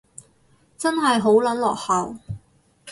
真係好撚落後